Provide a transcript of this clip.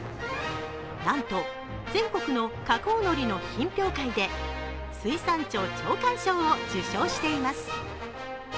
なんと全国の加工のりの品評会で水産庁長官賞を受賞しています。